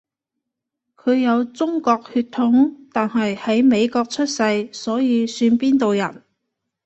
佢有中國血統，但係喺美國出世，所以算邊度人？